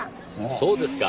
そうですか。